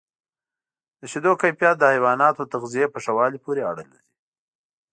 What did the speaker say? د شیدو کیفیت د حیواناتو د تغذیې په ښه والي پورې اړه لري.